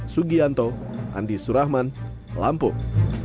sugianto andi surahman lampung